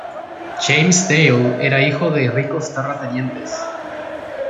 James Dale era hijo de ricos terratenientes.